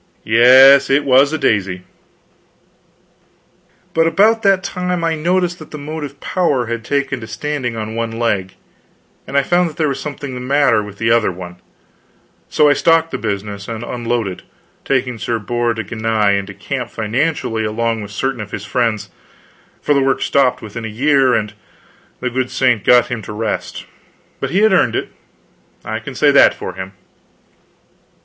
Yes, it was a daisy. But about that time I noticed that the motive power had taken to standing on one leg, and I found that there was something the matter with the other one; so I stocked the business and unloaded, taking Sir Bors de Ganis into camp financially along with certain of his friends; for the works stopped within a year, and the good saint got him to his rest. But he had earned it. I can say that for him.